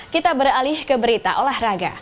kita beralih ke berita olahraga